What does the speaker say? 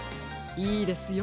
いいですよ。